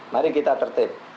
mari kita tertip